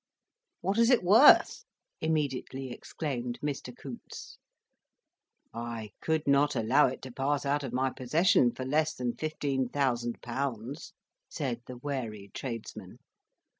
"What is it worth?" immediately exclaimed Mr. Coutts. "I could not allow it to pass out of my possession for less than 15,000£.," said the wary tradesman.